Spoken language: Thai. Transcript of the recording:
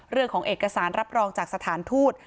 เรื่องของเอกสารรับรองจากสถานทูต